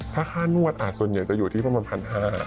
ถ้าค่านวดส่วนใหญ่จะอยู่ที่ประมาณ๑๕๐๐บาท